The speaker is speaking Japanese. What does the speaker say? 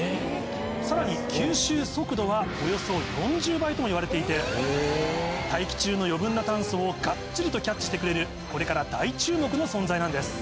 さらに吸収速度はおよそ４０倍ともいわれていて大気中の余分な炭素をがっちりとキャッチしてくれるこれから大注目の存在なんです。